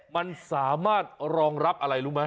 มันสามารถรองรับอะไรรู้ไหม